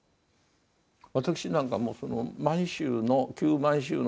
私なんかもその満州の旧満州のですね